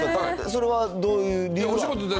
それはどういう理由で？